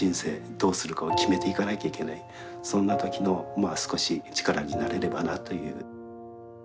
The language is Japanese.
どうするかを決めていかなきゃいけないそんな時のまあ少し力になれればなという。